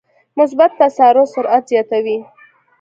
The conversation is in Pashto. مثبت تسارع سرعت زیاتوي.